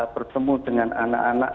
bertemu dengan anak anak